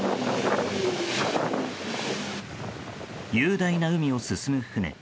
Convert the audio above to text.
雄大な海を進む船。